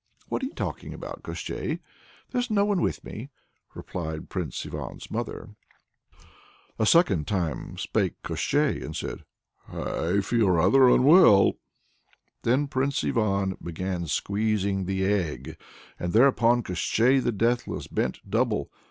"What are you talking about, Koshchei? There's no one with me," replied Prince Ivan's mother. A second time spake Koshchei and said, "I feel rather unwell." Then Prince Ivan began squeezing the egg, and thereupon Koshchei the Deathless bent double.